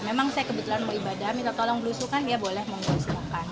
memang saya kebetulan mau ibadah minta tolong berusuh kan ya boleh mau berusuh